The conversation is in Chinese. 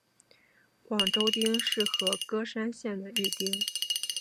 广川町是和歌山县的一町。